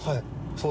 △そう。